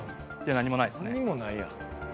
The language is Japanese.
何にもないやん。